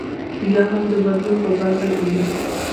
یا هم د بدلون په برخه کې وي.